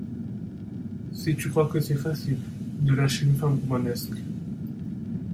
Si tu crois que c’est facile, de lâcher une femme romanesque !